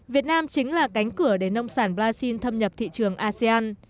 việt nam chính là cánh cửa để nông sản brazil thâm nhập thị trường asean